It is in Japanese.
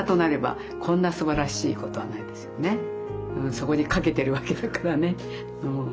そこにかけてるわけだからね。